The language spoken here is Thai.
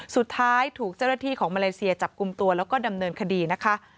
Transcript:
สุดท้ายถูกเจ้าหน้าที่ของมาเลเซียจับกลุ่มตัวแล้วก็ดำเนินคดีนะคะ